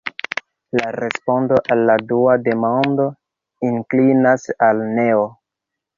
La respondo al la dua demando inklinas al neo.